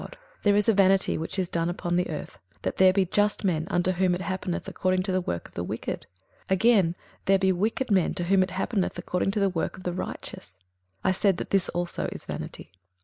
21:008:014 There is a vanity which is done upon the earth; that there be just men, unto whom it happeneth according to the work of the wicked; again, there be wicked men, to whom it happeneth according to the work of the righteous: I said that this also is vanity.